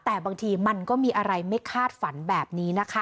แต่บางทีมันก็มีอะไรไม่คาดฝันแบบนี้นะคะ